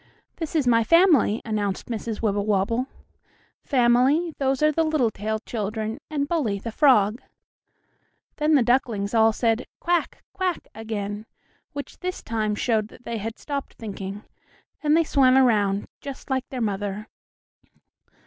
"This is my family," announced Mrs. Wibblewobble. "Family, those are the Littletail children, and Bully, the frog." Then the ducklings all said, "Quack! quack!" again, which this time showed that they had stopped thinking, and they swam around just like their mother.